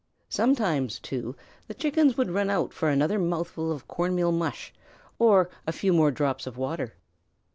Sometimes, too, the Chickens would run out for another mouthful of cornmeal mush or a few more drops of water.